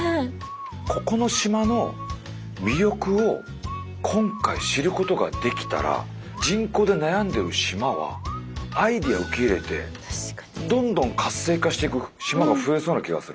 ここの島の魅力を今回知ることができたら人口で悩んでる島はアイデア受け入れてどんどん活性化していく島が増えそうな気がする。